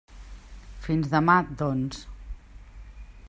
Fins demà, doncs.